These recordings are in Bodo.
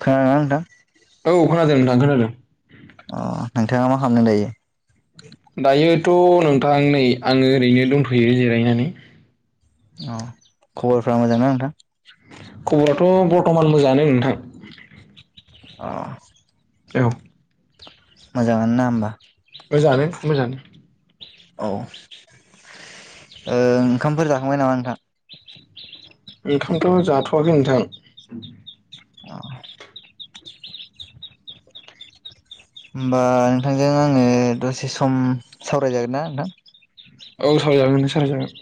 खोनादोंना नोंथां? ओं खोनादों अ नोंथाङा मा खालामदों दायो? दायोथ' नोंथां नै आङो ओरैनो दंथ'यो जिरायनानै अ खबरफोरा मोजां ना नोंथां? खबरआथ' बरथमान मोजाङानो नोंथां अ औ मोजाङानो ना होनबा मोजाङानो मोजां औ ओ ओंखामफोर जाखांबाय नामा नोंथां? ओंखामथ' जाथ'वाखै नोंथां औ होमबा नोंथांजों आङो दसे सम सावरायजागोन ना नोंथां औ सावराय जागोन नोंथां सावरायजागोन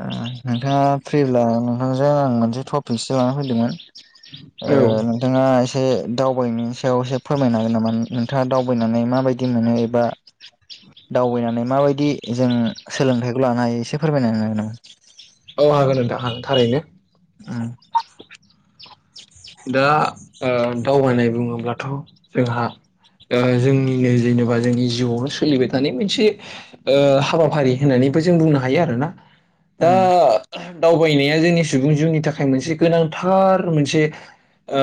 ओ नोंथाङा फ्रिब्ला नोंथांजों आं मोनसे टपिकसो लानानै फैदोंमोन औ ओ नोंथाङा एसे एसे दावबायनायनि सायाव एसे फोरमायनो हागोन नामा नोंथाङा दावबायनानै माबायदि मोनो एबा दावबायनानै माबायदि जों सोलोंथाइखौ लानो हायो एसे फोरमायनानै होनो हागोन नामा? औ हागोन नोंथां हागोन थारैनो [unintelligible] दा ओ दावबायनाय बुङोब्लाथ' जोंहा ओ जोंनिनो जेनेबा जोंनि जिउआवनो सोलिबाय थानाय मोनसे ओ हाबाफारि होननानै ओमफाय बुंनो हायो आरोना दा उम दावबायनाया जोंनि सुबुं जिउनि थाखाय मोनसे गोनांथार मोनसे ओ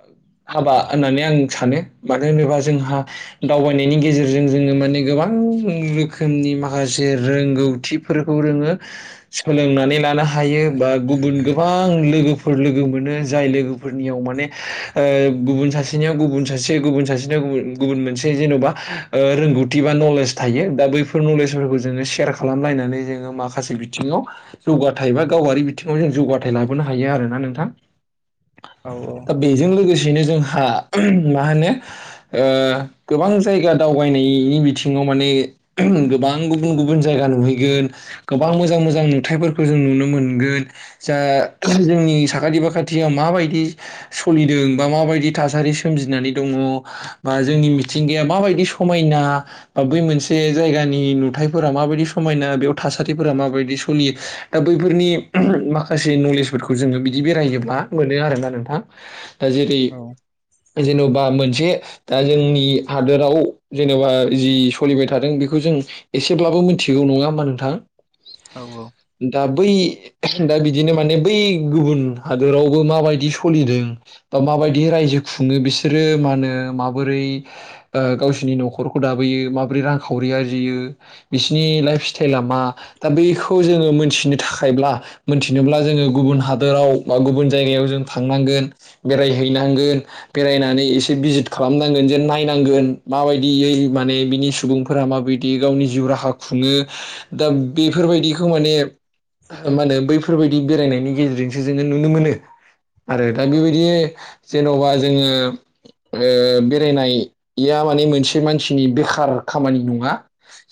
[unintelligible] हाबा होननानै आं सानो मानो होनोबा जोंहा दावबायनायनि गेजेरजों जोङो माने गोबां गो रोखोमनि माखासे रोंगौथिफोरखौ जोङो सोलोंनानै लानो हायो बा गुबुन गोबां लोगोफोर लोगो मोनो जाय लोगो फोरनियाव माने ओ गुबुन सासेनियाव गुबुन सासे गुबुन सासेनिया गुबुन गुबुन मोनसे जेन'बा ओ रोंगौथि बा नलेज थायो दा बैफोर नलेजफोरखौ जोङो सेयार खालामलायनानै जोङो माखासे बिथिङाव जौगाथाय बा गावारि बिथिङाव जों जौगाथाय लाबोनो हायो आरोना नोंथां औ औ बे ज लोगोसेनो जोंहा मा होनो गोबां जायगा दावबायनायनि बिथिाव माने गोबां गुबुन गुबुन जायगा नुहैगोन गोबां मोजां मोजां नुथायफोर खौ जों नुनो मोनगोन जा जोंनि साखाथि फाखाथियाव मा बायदि सलिदों बा मा बदि थासारि सोमजिनानै दङ बा जोंनि मिथिंगा माबायदि समायना बा बै मोनसे जायगानि नुथायफोरा माबायदि समायना बेयाव थासारि फोर माबायदि सोलियो दा बैफोरनि माखासे नलेजफोरखौ जोङो बिदि बेरायोब्ला मोनो आरोना नोंथां? दा जेरै औ जेन'बा मोनसे दा जोंनि हादोराव जेन'बा जि सोलिबाय थादों बेखौ जों एसेब्लाबो मिथिगौ नङा होमा नोंथां? औ औ दा बै दा बिदिनो माने बै गुबुन हादोराव बो माबायदि सोलिदों बा माबायदि रायजो खुङो बिसोरो मा होनो माबोरै गावसिोरनि न'खरखौ दाबोयो माबोरै रांखावरि आरजियो बिसिनि लाइफ स्टाइला मा दा बखौ जोङो मोनथिनो थाखायब्ला मोनथिनोब्ला जोङो गुबुन हादोराव बा गुबुन जायगायाव जों थांनांगोन बेराय हैनांगोन बेरायनानै इसे भिसित खालामननांगोन नाय गोन माबायदिय माने बिनि सुबुंफोरा माबायदि गावनि जिउ राहा खुङो दा बेफोरबायदिखौ माने मा होनो बैफोरबायदि बेरायनायनि गेजेरजोंसो जोङो नुनो मोनो। आरो दा औ बेबायदि जेन'बा जोङो बेरायनाया माने मोनसे मानसिनि बेखार खामानि नङा।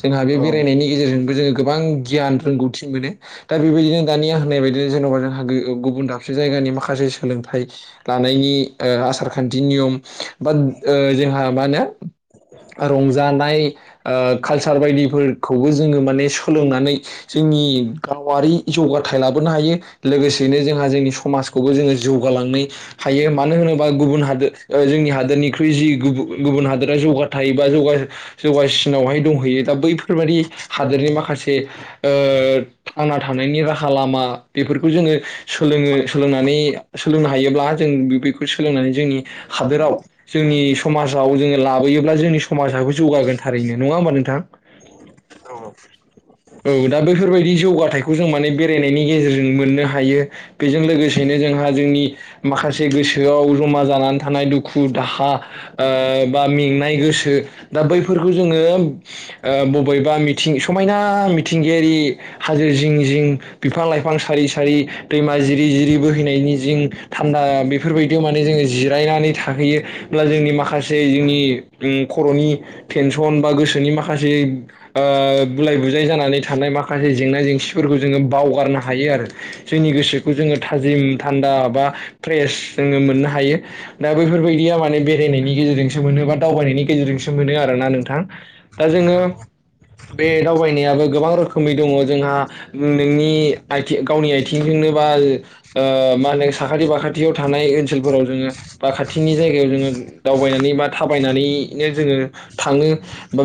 जोंहा बे औ बेरायनायनि गेजेरजोंबो जोङो गोबां गियान रोंगौथि मोनो दा बेबायदिनो दानिया होननाय बायदिनो जेन'बा जोंहा गुबुन दाबसे जायगानि माखासे सोलोंथाइ लानायनि आसारखान्थि नियम बा जोंहा हा मा होनो रंजानाय कालसार बायदिफोरखौबो जोङो माने सोलोंनानै जों ज गावारि जौगाथाय लाबोनो हायो लोगोसेनो जोंहा जोंनि सम समाजखौबो जोङो जौगालांनो हायो मानो होनोबा गुबुन हादोर जोंनि हादोरनिख्रुइ जि गुबुन गुबुन हादोरा जौगाथायायोबा जौगासिनावहाय दङ। होयो दा बैफोरबादि हादोरनि माखासे थांना थानायनि राहा लामा बेफोरखौ जोङो सोलोङो सोलोंनानै सोलोंनो हायोब्ला जों बेखौ सोलोंनानै जोंनि हादोराव जोंनि समाजाव जोङो लाबोयोब्ला जोंनि समाजाबो जौगागोन थारैनो नङा होमबा नोंथां? औ खौ जों माने बेरायनायनि गेजेरजों मोननो हायो बेजों लोगोसेनो जोंहा जोंनि माखासे गोसो गोसोआव जमा जानानै थानाय दुखु दाहा बा मेंनाय गोसो दा बै जो बबेबा मिथिंगा समायना गोा मिथिंगायारि हाजो जिं जिं बिफां लाइफां सारि सारि दैमा जिरि जिरि बोहैनायनि जि थान्दा बेफोरबायदियाव माने जोङो जिरायनानै थाहैयोब्ला जोंनि माखासे जोंनि खर'नि मेनसन बा गोसोनि माखासे ओ बुलाय बुजाय जाय जानानै थानाय माखासे जेंना जेंसिफोरखौ जोङो बावगारनो हायो आरो जोंनि गोसोखौ जोङो थाजिम थान्दा बा फ्रेस जोङो मोननो हायो दा बैफोरबायदिया माने बेरायनायनि गेजेरजों बा दावबायनायनि गेजेरजोंसो मोनो आरोना नोंथां दा जोङो बे दावबाय आनायाबो गोबां रोखोमै दङ जोंहा नोंनि आथिं गावनि आथिंजोंनो बा मा होनो साखाथि बाखाथियाव थानाय ओनसोलफोराव जोङो बाखाथिनि जायगायाव जोङो दावबायनानै थाबनानै जो थाङोा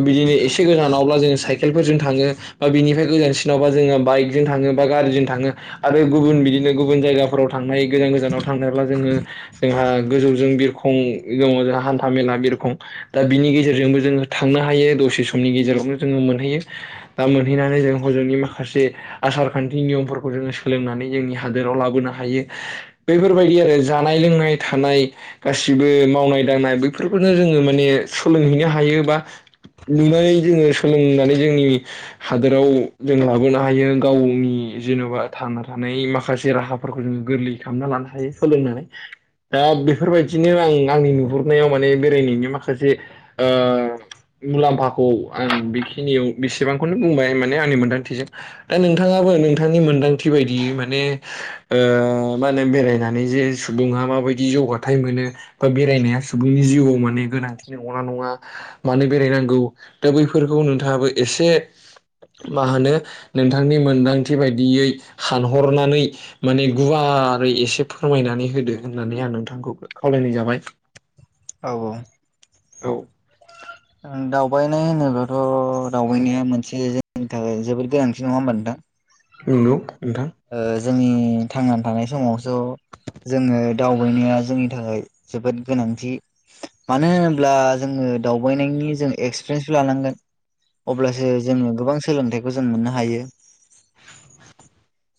बिदिनो एसे गोजानावब्ला साइकेलफोरजों थांयो बिनिफ्राय गोजानसिनावबा जोङो बायिकजों बा गारिजों थायो आरो गुबुन बिदिनो गुबुन जायााव थांनाय गोजान गोजानाव थांनायब्ला जोङो जोंहा गोजौजों बिरखं दङ जोंहा हा हामेला बेरखम दा बिनि गेजेरजोंबो जोङो थांनो हायो दसे समनि गेजेरावनो जोङो मोनहैयो। दा मोनहैनानै जों हजोंनि माखासे आसार खान्थि नियमफोरखौ जोङो सोलोंनानै जोंनि हादोर लाबोनो हायो बेफोरबायदि आरो जानाय लोंनाय थानाय गासिबो मावनाय दांनाय बैफोरखौनो जोङो माने सोलोंहैनो हायो बा नुनानै जो सोलोंना जोंनि हादोराव जों लाबोनो हायो गावनि जेन'बा थांना थानाय माखा माखासे राहाफोरखौ जोङो गोरलै खालामना लानो हायो सोलोंनानै दा बेफोरबायदिनो आं आंनि नुहुरनायाव माने बेरायनायनि माखासे ओ मुलाम्फाखौ आं बेखिनियाव बेसेबांखौनो बुंबाय माने आंनि मोनदांथिजों दा नोंथाङाबो नोंथांनि मोनदांथि बायदिय माने ओ मा होनो बेरायनानै जे सुबुङा माबायदि जौगाथायाइ मोनो बा बेरायनाया सुबुं बिनि जिउआव माने गोनांथिनि अंला नङा मानो बेरायनांगौ दा बैफोरखौ नोंथाङाबो एसे मा होनो नोंथांनि मोनदांथि बायदियै सानहरनानै माने गुवा ारै एसे फोरमायनानै होदो होननानै आं नोंथांखौ खावलायनाय जाबाय। औ औ। औ दावबायनाय होनोब्लाथ' दावबायनाया मोनसे जोंनि थाखाय जोबोद गोनांथि नङा होमबा नोंथां? नोंगौ नोंथां। ओ जोंनि थांनानै थानाय समावसो जोङो दावबायनाया जोंनि थाखाय जोबोद गोनांथि मानो होनोब्ला जोङो दावबायनायनि जों एक्सपिरियेन्सबो लानांगोन। अब्लासो जोङो गोबां सोलोंथाइखौ जों मोननो हायो।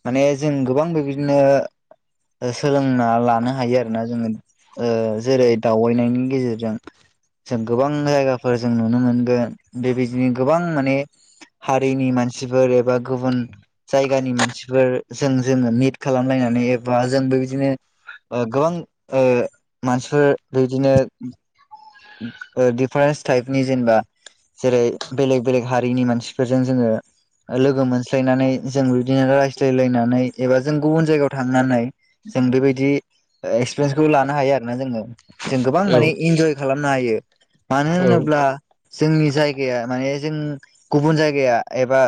माने जों गोबां बेबायदिनो सोलोंना लानो हायो आरोना जोङो जेरै औ दावबायनायनि गेजेरजों जों गोबां जायगाफोर जों नुनो मोनगोन बेबायदिनो गोबां माने हारिनि मानसिफोर एबा गुबुन जायगानि मानसि बेफोर जों जोङो मिट खालामलायनानै एबा जों बेबायदिनो ओ गोबां मानसिफोर बिदिनो दिफारेन्स टाइपनि जेनेबा जेरै बेलेग बेलेग हारिनि मानसिफोरजों जोङो लोगो मोनस्लायनानै जों बिदिनो रा स्लायलायनानै एबा जों गुबुन जायगायाव थांनानै जों बेबायदि एक्सपिरियेन्सखौ लानो हायो आरो ना जोङो जों गोबां माने औ इन्जय खालामनो हायो। मानो औ होनोब्ला जोंनि जायगाया माने जों गुबुन जायगाया एबा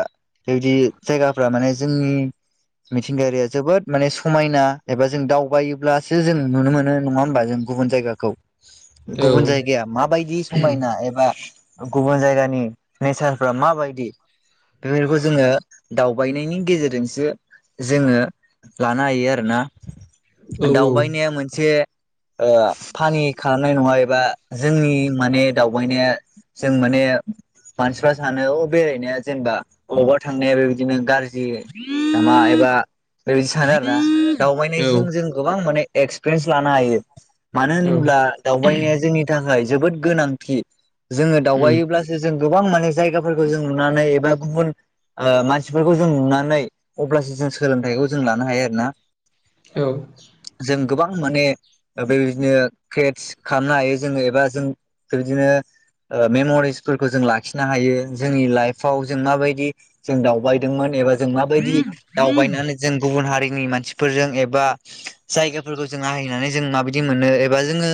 बेबायदि जायगाफ्रा माने जोंनि मिथिंगायारिया जोबोद माने समायना एबा जों दावबायोब्लासो जों नुनो मोनो नङा होमबा? जों गुबुन जायगाखौ औ गुबुन जायगाया माबायदि समायना एबा गुबुन जायगानि नेचारफ्रा माबायदि बेफोरखौ जोङो दावबायनायनि गेजेरजोंसो जोङो लानो हायो आरोना। दावबायनाया मोनसे फानि खालामनाय नङा एबा जोंनि माने दावबायनाया जों माने मानसिफ्रा सानो अ बेरायनाया जेनेबा बबावबा थांनाया बेबदिनो गारि जि लामा एबा बेबायदि सानो आरो ना दावबायनायजों जों गोबां बां माने एक्सपिरिेन्स लानो हायो मानो औ होनोब्ला दावबायनाया जोंनि थाखाय जोबोद गोनांथि जोङो उम दावबायोब्लासो जों गोबां माने जायगाफोरखौ जों नुनानै एबा गुबुन मानसिफोरखौ जों नुनानै अब्लासो जों सोलोंथाइखौ जों लानो हायो आरो ना। औ। गोबां माने बेबायदिनो क्रेटस खालामनो हायो जोङो एबा जों बेबायदिनो मेमरिसफोरखौ जों लाखिनो हायो जोंनि लाइफआव जों माबायदि जों दावबायदोंमोन एबा जों माबायदि दावबायनानै जों गुबुन हारिनि मानसिफोरजों एबा जायगाफोरखौ जों आहाय जों माबायदि मोनो एबा जोङो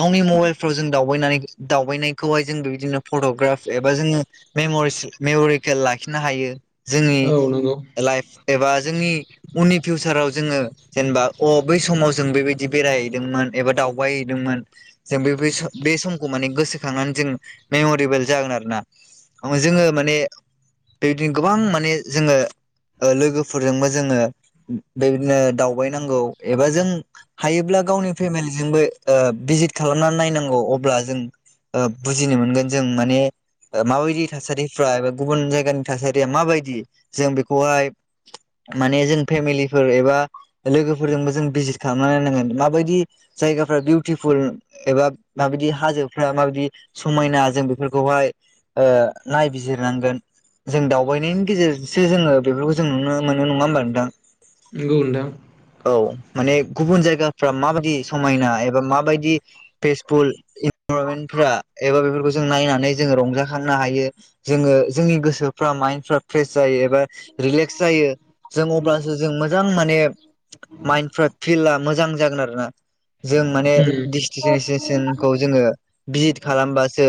गावनि मबाइलफोराव जों दावबायनानै दावबायनाखौहाय जों बे बिदिनो फट'ग्राफ एबा जोङो मेमरिस मेमरिकेल लाखिनो हायो। जोंनि औ नोंगौ। लाइफ एबा जोंनि उननि फिउचाराव जोङो जेनेबा अ बै समाव जों बेबायदि बेरायहैदो दोंमोन एबा दावबाय हैदोंमोन जों बै बै स बे समखौ माने गोसोखांनानै जों मेमरिबोल जागोन आरोना। अ जोङो माने बेबिदिनो गोबां माने जोङो ओ लोगोफोरजोंबो जोङो बेदिनो दावबायनांगौ एबा जों हायोब्ला गावनि फेमिलिजोंबो ओ बि इजित खालामनान नायनांगौ अब्ला जों ओ बुजिनो मोनगोन जों माने ओ माबायदि थासारिफ्रा एबा गुबुन जायगानि थासारिया माबायदि जों बे खौहाय माने जों फेमिलिफोर एबा लोगोफोरजोंबो जों भिजिट खालामना नायनांगोन। माबायदि जायगाफ्रा बिउटिफुल एबा माबायदि हाजोफ्रा माबायदि समायना जों बेफोरखौहाय ओ नायबिजिरनांगोन। जों दावबायनायनि गेजेरजोंसो जोङो बेफोरखौ जों नुनो मोनो। नङा होमबा नोंथां? नंगौ नोंथां औ माने गुबुन जायगाफ्रा माबायदि समायना एबा माबायदि पेसफुल इनभारनमेनफ्रा एबा बेफोर खौ जों नायनानै जोङो रंजाखांनो हायो जोङो जोंनि गोसोफ्रा माइन्दफ्रा फ्रेस जायो एबा रिलेक्स जायो। जों अब्लासो जों मोजां माने माइन्डफ्रा फिलआ मोजां जागोन आरो ना। जों माने उम डिसटिसियेससनखौ जोङो भिजित खालामबासो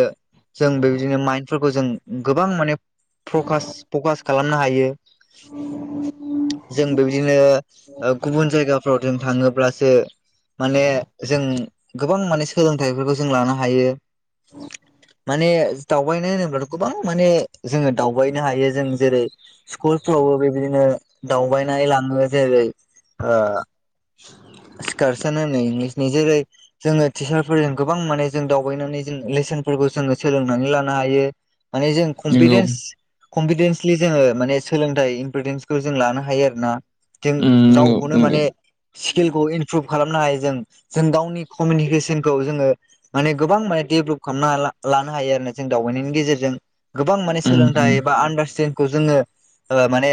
जों बेबायदिनो माइन्दफोरखौ जों गोबां माने फ्रकास फकास खालामनो हायो। [inaudible] जों बेबिदिनो ओ गुबुन जायगाफ्राव जों थाङोब्लासो माने जों गोबां माने सोलोंथाइफोरखौ जों लानो हायो। माने दावबायनाय होनोब्लाथ' गोबां माने जोङो दावबायनो हायो जों। जेरै स्कुलफ्रावबो बेबिदिनो दावबायनाय लाङो। जेरै ओ सिखारसोन इंलिसनि जेरै जोङो टिचारफोरजों गोबां माने जों दावबायनानै जों लेस सोन फोरखौ जोङो सोलोंनानै लानो हायो। माने जों नंगौ कमफिदेन्स कनफिदेन्सलि जोङो माने सोलोंथाइ इम्पिटेन्सखौ जों लानो हायो आरो ना। जों उम नंगौ गावखौनो नंगौ माने किलखौ इनप्रुभ खालामनो हायो जों। जों गावनि कमिनिकेसोनखौ जोङो माने गोबां माने डेभ्ल' खामना हाला लानो हायो आरोना जों दावबायनायनि गेजेरजों। गोबां माने उम उम सोलोंथाइ बा आनदार्सस्टेन खौ जोङो ओ माने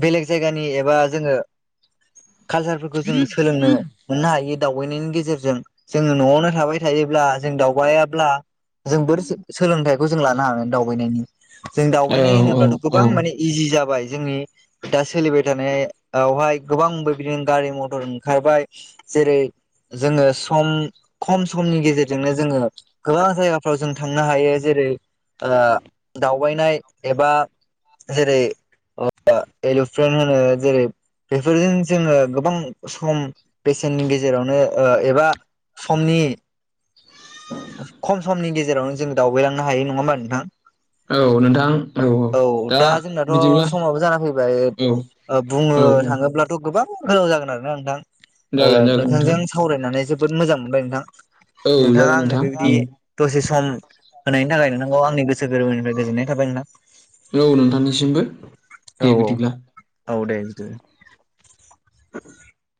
बेलेग जायगानि एबा जोङो कालसा खो जों सोलोंनो मोननो हायो दावबायनायनि गेजेरजों। जोङो न'आवनो थाबाय थायोब्ला जों दावबायाब्ला जों बोर सोलोंथाइखौ जों लानो हागोन दावबायनायनि। जों औ दावबायनाय औ होनोब्लाथ' गोब औ गोबां माने इजि जाबाय जोंनि दा सोलिबाय थानाय आवहाय गोबां बेबिदिनो गारि मथ ओंखारबाय जेरै जोङो सम खम समनि गेजेरजोंनो जोङो गोबां जायगाफ्राव जों थांनो हायो। जेरै- ओ दावबायनाय एबा जेरै ओ एलुप्रेन होनो जेरै बेफोरजों जोङो गोबां सम बेसेननि गेजेरावनो ओ एबा समनि खम समनि गेजेरावनो जों दावबायलांनो हायो। नङा होमबा नोंथां? औ दा जोंनाथ' समाबो जाना फैबाय। औ ओ बुङो औ थाङोब्लाथ' गोबां [unintelligible] जागोन आरो ना नोंथां। ओ जागोन जागोन नोंथां नोंथांजों सावरायनानै जोबोद मोजां मोनबाय नोंथां। औ नोंथाङा जागोन आंनो नोंथां बेबिदि उम दसेस सम होनायनि थाखाय नोंथांखौ आंनि गोसो गोरबोनिफ्राय गोजोननाय थाबाय नोंना। औ नोंथांनिसिमबो औ दे बिदिब्ला। औ दे लुदो। [inaudible]